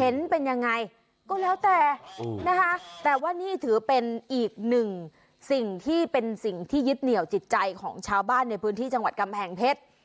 เห็นเป็นยังไงก็แล้วแต่นะคะแต่ว่านี่ถือเป็นอีกหนึ่งสิ่งที่เป็นสิ่งที่ยึดเหนียวจิตใจของชาวบ้านในพื้นที่จังหวัดกำแพงเพชร